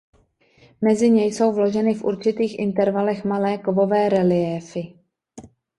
Mezi ně jsou vloženy v určitých intervalech malé kovové reliéfy.